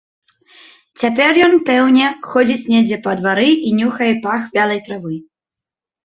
Цяпер ён, пэўне, ходзіць недзе па двары і нюхае пах вялай травы.